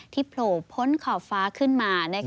โผล่พ้นขอบฟ้าขึ้นมา